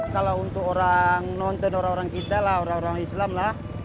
kalau untuk orang nonton orang orang kita lah orang orang islam lah